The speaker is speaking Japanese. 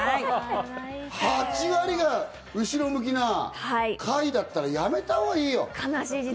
８割が後ろ向きな会だったら、やめたほうがいいよ。